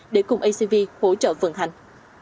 để cùng acv hỗ trợ vận hành